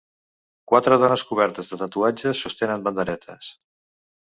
Quatre dones cobertes de tatuatges sostenen banderetes.